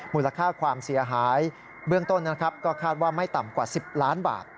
มูลค่าความเสียหายเบื้องต้นนะครับก็คาดว่าไม่ต่ำกว่า๑๐ล้านบาท